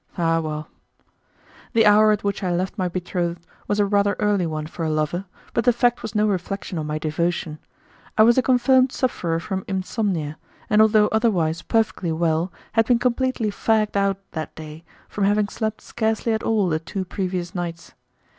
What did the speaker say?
Ah, well! The hour at which I had left my betrothed was a rather early one for a lover, but the fact was no reflection on my devotion. I was a confirmed sufferer from insomnia, and although otherwise perfectly well had been completely fagged out that day, from having slept scarcely at all the two previous nights.